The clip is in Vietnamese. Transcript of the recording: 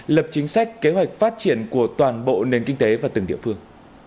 lập chính sách kế hoạch phát triển của toàn bộ nền kinh tế và từng địa phương